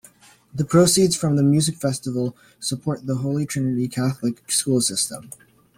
The proceeds from the music festival support the Holy Trinity Catholic school system.